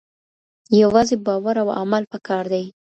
یوازې باور او عمل پکار دی.